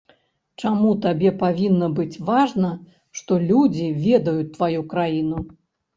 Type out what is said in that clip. Чаму табе павінна быць важна, што людзі ведаюць тваю краіну?